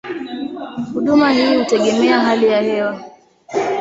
Huduma hii hutegemea hali ya hewa.